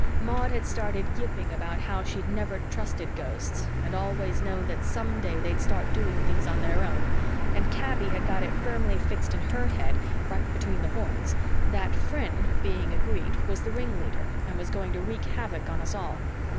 Maud had started yipping about how she'd never trusted Ghosts and always known that some day they'd start doing things on their own, and Kaby had got it firmly fixed in her head, right between the horns, that Phryne, being a Greek, was the ringleader and was going to wreak havoc on us all.